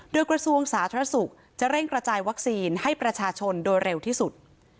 โดยกระทรวงสาธารณสุขจะเร่งกระจายวัคซีนให้ประชาชนโดยเร็วที่สุด